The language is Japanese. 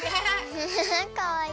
フフフかわいい。